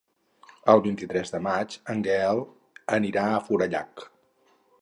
El vint-i-tres de maig en Gaël anirà a Forallac.